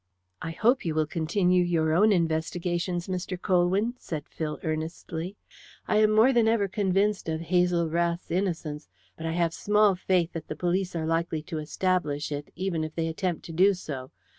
"I hope you will continue your own investigations, Mr. Colwyn," said Phil earnestly. "I am more than ever convinced of Hazel Rath's innocence, but I have small faith that the police are likely to establish it even if they attempt to do so.